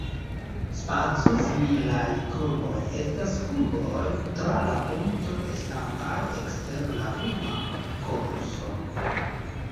Spaco-similaj kurboj estas kurboj tra la punkto estantaj ekster la luma konuso.